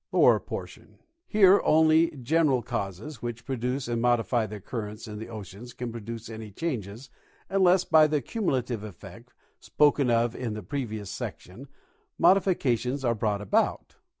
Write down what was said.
//. Lower Portion. Here only the general causes which produce and modify the currents in the oceans can produce any change, unless by the cumulative effect, spoken of in the previous section, modifica tions are brought about.